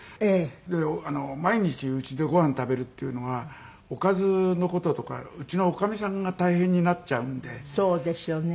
で毎日うちでご飯食べるっていうのはおかずの事とかうちの女将さんが大変になっちゃうんで。